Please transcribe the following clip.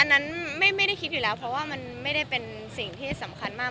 อันนั้นไม่ได้คิดอยู่แล้วเพราะว่ามันไม่ได้เป็นสิ่งที่สำคัญมาก